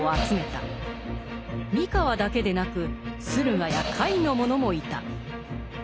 三河だけでなく駿河や甲斐の者もいた。